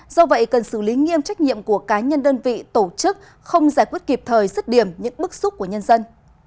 do vậy cần xử lý nghiêm trách nhiệm của cá nhân đơn vị tổ chức không giải quyết kịp thời sức điểm những bức xúc của nhân dân